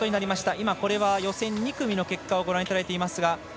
今、これは予選２組の結果をご覧いただいていますが。